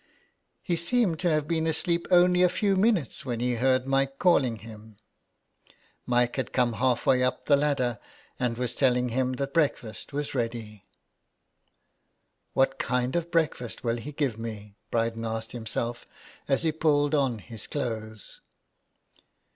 He seemed to have been asleep only a few minutes when he heard Mike calling him. Mike had come half way up the ladder and was telling him that breakfast was ready. '' What kind of breakfast will he give me?" Bryden asked himself as he pulled on his clothes.